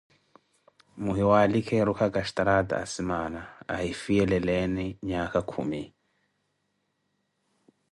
Mwihiwalikhe erukhaka staraata asimaana ahifiyeleeni nyaakha khuumi.